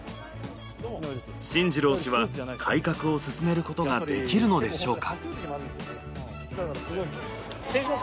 進次郎氏は改革を進めることができるのでしょうか。